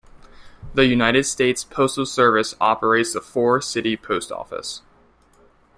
The United States Postal Service operates the Forrest City Post Office.